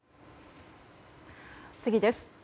次です。